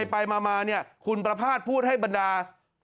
ไปมาคุณประภาษณ์พูดให้บรรดา